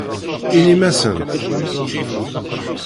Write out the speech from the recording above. Inim-asent.